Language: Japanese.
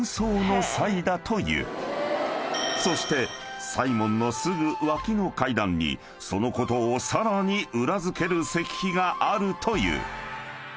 ［そして西門のすぐ脇の階段にそのことをさらに裏付ける石碑があるという］